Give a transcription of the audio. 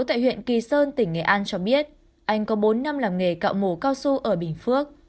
anh kỳ sơn tỉnh nghệ an cho biết anh có bốn năm làm nghề cạo mổ cao su ở bình phước